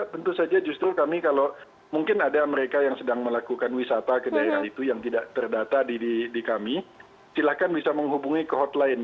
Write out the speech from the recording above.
tentu saja justru kami kalau mungkin ada mereka yang sedang melakukan wisata ke daerah itu yang tidak terdata di kami silakan bisa menghubungi ke hotline